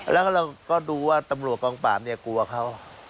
แล้วก็เราก็ดูว่าตำรวจกองปราบเนี่ยกลัวเขา